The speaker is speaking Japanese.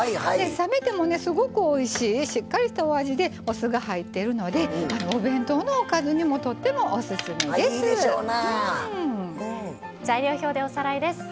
冷めても、すごくおいしいしっかりしたお味でお酢が入ってるのでお弁当のおかずにも材料表でおさらいです。